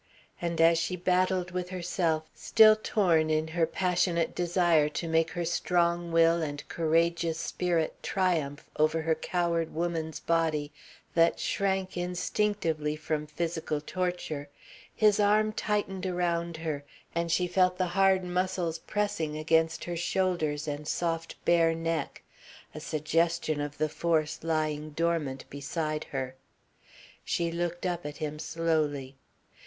And as she battled with herself, still torn in her passionate desire to make her strong will and courageous spirit triumph over her coward woman's body that shrank instinctively from physical torture, his arm tightened around her and she felt the hard muscles pressing against her shoulders and soft, bare neck, a suggestion of the force lying dormant beside her. She looked up at him slowly.